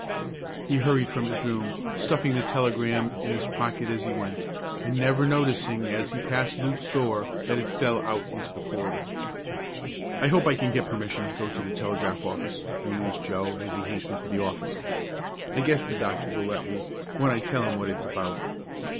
He hurried from his room, stuffing the telegram in his pocket as he went, and never noticing as he passed Luke's door that it fell out into the corridor. "I hope I can get permission to go to the telegraph office," mused Joe as he hastened to the office. "I guess the doctor will let me when I tell him what it's about."